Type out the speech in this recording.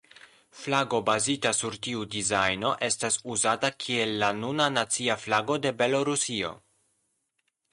Flago bazita sur tiu dizajno estas uzata kiel la nuna nacia flago de Belorusio.